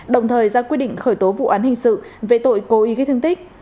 đồng thời ra quyết định khởi tố vụ án hình sự về tội cố ý gây thương tích